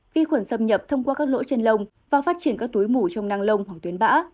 vi khuẩn xâm nhập thông qua các lỗ trên lông và phát triển các túi mủ trong năng lông hoặc tuyến bã